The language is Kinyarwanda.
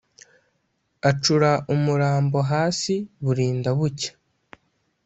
acura umurambo hasi burinda bucya.